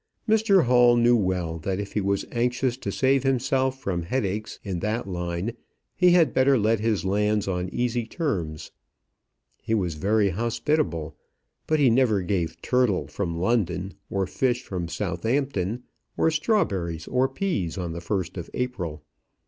Mr Hall knew well that if he was anxious to save himself from headaches in that line, he had better let his lands on easy terms. He was very hospitable, but he never gave turtle from London, or fish from Southampton, or strawberries or peas on the first of April.